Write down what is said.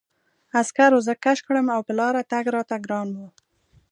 عسکرو زه کش کړم او په لاره تګ راته ګران و